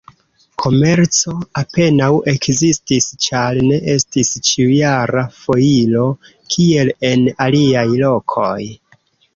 Komerco apenaŭ ekzistis, ĉar ne estis ĉiujara foiro, kiel en aliaj lokoj.